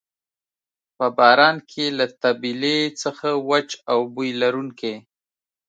په باران کې له طبیلې څخه وچ او بوی لرونکی.